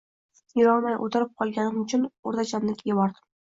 Yurolmay o`trib qolganim uchun o`rtanchamnikiga bordim